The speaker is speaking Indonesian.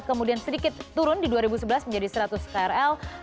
kemudian sedikit turun di dua ribu sebelas menjadi seratus krl